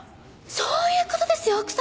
そういう事ですよ奥様！